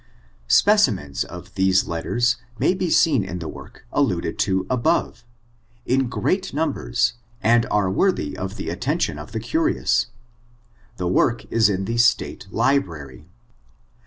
Specimens of these letters may be seen in the work alluded to above, in great numbers, and are worthy of the attention of the curious. The work is in the State Library.